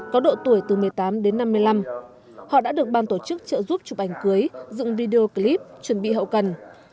có độ tuổi từ một mươi tám đến năm mươi năm họ đã được ban tổ chức trợ giúp chụp ảnh cưới dựng video clip chuẩn bị hậu cần